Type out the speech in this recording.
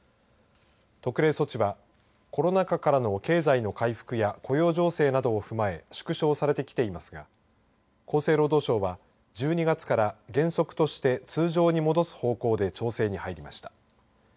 特例措置はコロナ禍からの経済の回復や雇用情勢などを踏まえ縮小されてきていますが厚生労働省は１２月から原則として通常に戻す方向で調整に入りました。